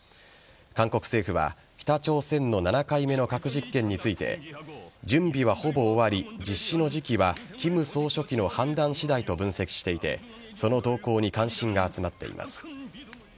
韓国政府は北朝鮮の７回目の核実験について準備はほぼ終わり実施の時期は金総書記の判断次第と分析していてその動向に関心が集まっています。